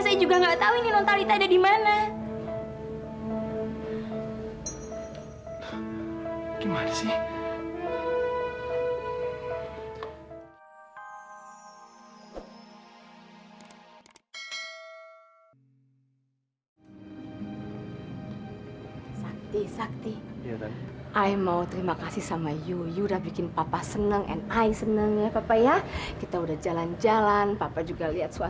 sampai jumpa di video selanjutnya